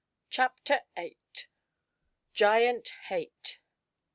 CHAPTER VIII. GIANT HATE.